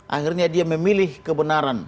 akhirnya dia memilih kebenaran